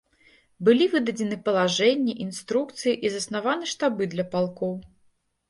Былі выдадзены палажэнні, інструкцыі і заснаваны штабы для палкоў.